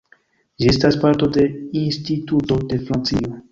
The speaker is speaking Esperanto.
Ĝi estas parto de Instituto de Francio.